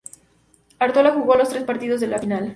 Artola jugó los tres partidos de la final.